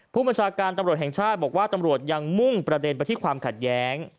ผู้บัญชาการตำรวจแห่งชาติบอกว่าตำรวจยังมุ่งประเด็นไปที่ความขัดแย้ง